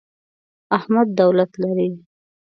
احمد دولت لري.